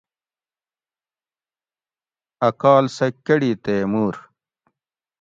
ا کال سہ کڑی تے مور